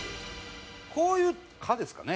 こういう科ですかね。